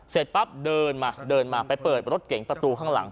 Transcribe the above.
เสร็จปั๊บเดินมาเดินมาไปเปิดรถเก๋งประตูข้างหลัง